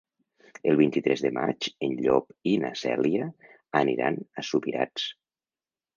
El vint-i-tres de maig en Llop i na Cèlia aniran a Subirats.